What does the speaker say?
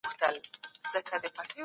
غم مو شريک دی.